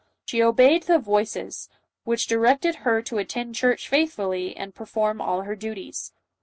She obeyed the JOAN OF ARC. 149 voices, which directed her to attend church faithfully and perform all her duties.